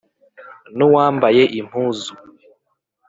N'uwambaye impuzu